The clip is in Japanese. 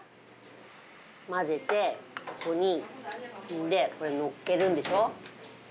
混ぜてここにこれのっけるんでしょ？